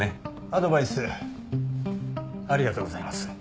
アドバイスありがとうございます。